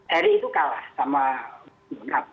erick itu kalah sama